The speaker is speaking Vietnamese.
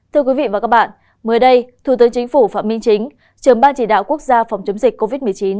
thưa quý vị và các bạn mới đây thủ tướng chính phủ phạm minh chính trưởng ban chỉ đạo quốc gia phòng chống dịch covid một mươi chín